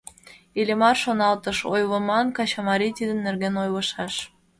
Иллимар шоналтыш: ойлыман, качымарий тидын нерген ойлышаш.